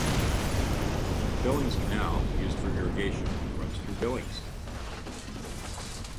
The Billings Canal, used for irrigation, runs through Billings.